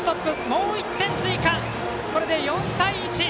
もう１点追加して４対１！